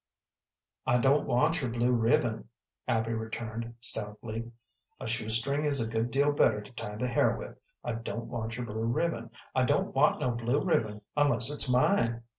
"I don't want your blue ribbon," Abby returned, stoutly; "a shoe string is a good deal better to tie the hair with. I don't want your blue ribbon; I don't want no blue ribbon unless it's mine."